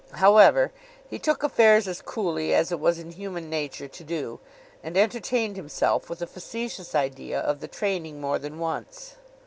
However, he took affairs as coolly as it was in human nature to do, and entertained himself with the facetious idea of the training more than once.